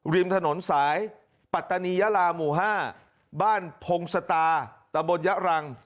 ริมถนนสายปัตตานียาลาหมู่๕บ้านพงศตาตะบนยะรัง